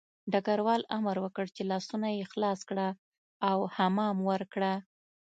ډګروال امر وکړ چې لاسونه یې خلاص کړه او حمام ورکړه